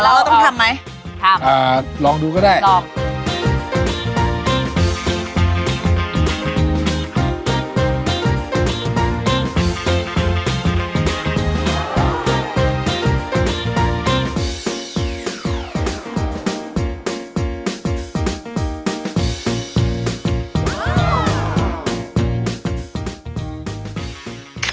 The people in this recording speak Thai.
อะแล้วเราต้องทำมั้ยทำเอ้อลองดูก็ได้ลอง